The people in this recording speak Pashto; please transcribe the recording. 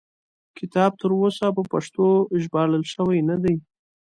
کتاب تر اوسه په پښتو ژباړل شوی نه دی.